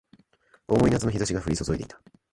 重い夏の日差しが降り注いでいた